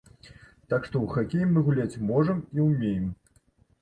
Так што ў хакей мы гуляць можам і ўмеем.